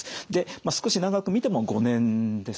少し長く見ても５年ですかね。